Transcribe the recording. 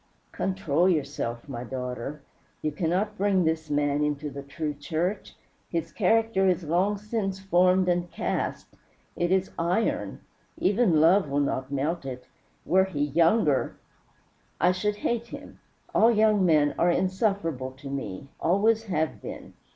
"Control yourself, my daughter. You cannot bring this man into the true church. His character is long since formed and cast it is iron. Even love will not melt it. Were he younger " "I should hate him. All young men are insufferable to me always have been.